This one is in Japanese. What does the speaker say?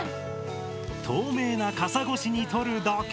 透明な傘ごしに撮るだけ。